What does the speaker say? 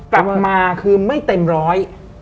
กลับมาคือไม่เต็มร้อย